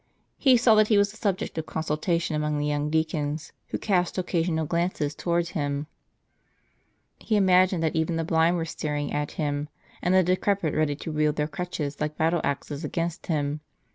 He saw that he was a subject of consultation among the young deacons, who cast occasional glances towards him ; ET he imagined that even the blind were staring at him, and the decrepit ready to wield their crutches like battle axes against him.